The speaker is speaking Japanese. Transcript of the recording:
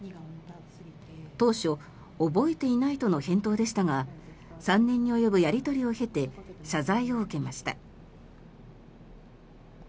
当初覚えていないとの返答でしたが３年に及ぶやり取りを経て謝罪を受けました。